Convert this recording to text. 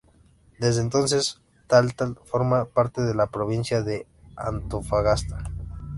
Desde entonces Taltal forma parte de la Provincia de Antofagasta.